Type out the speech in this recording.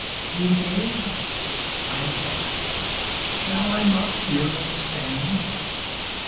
He gave, I took: shall I not fearless stand?